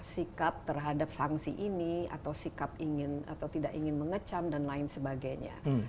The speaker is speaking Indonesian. sikap terhadap sanksi ini atau sikap ingin atau tidak ingin mengecam dan lain sebagainya